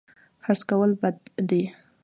حرص کول بد دي